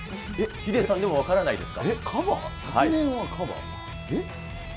ヒデさんでも分からないですか？